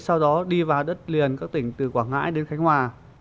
sau đó đi vào đất liền các tỉnh từ quảng ngãi đến khánh hòa